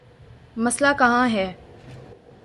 مسئلہ کہاں ہے؟